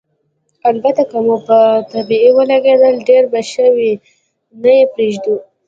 البته که مو په طبعه ولګېدل، ډېر به ښه وي، نه یې پرېږدو.